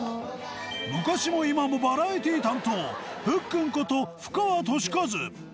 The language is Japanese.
昔も今もバラエティー担当ふっくんこと布川敏和。